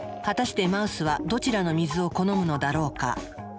果たしてマウスはどちらの水を好むのだろうか？